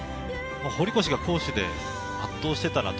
堀越が攻守で圧倒していたなと。